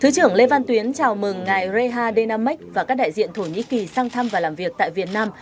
thứ trưởng lê văn tuyến chào mừng ngài reha dynamics và các đại diện thổ nhĩ kỳ sang thăm và làm việc tại việt nam